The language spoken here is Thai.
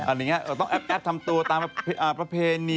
อะไรอย่างนี้ต้องแอปทำตัวตามประเพณี